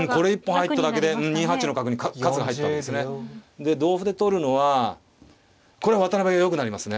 で同歩で取るのはこれ渡辺がよくなりますね。